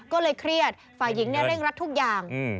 ก็เลยเครียดฝ่ายหญิงเร่งรัดทุกอย่าง